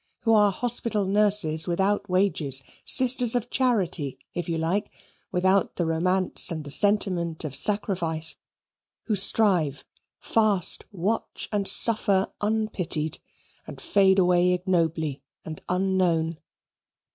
who are hospital nurses without wages sisters of Charity, if you like, without the romance and the sentiment of sacrifice who strive, fast, watch, and suffer, unpitied, and fade away ignobly and unknown.